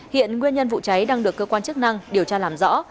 hiện nguyên nhân vụ cháy đang được cơ quan chức năng điều tra làm rõ